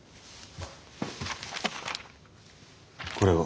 これは。